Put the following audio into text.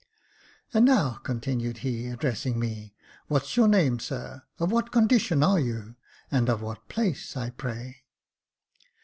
*' And now," continued he, addressing me, " what's your name, sir ? Of what condition are you — and of what place, I pray.?"